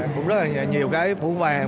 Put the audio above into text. cũng rất là nhiều cái phủ vàng